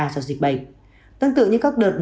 do dịch bệnh tương tự như các đợt